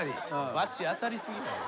罰当たり過ぎやろ。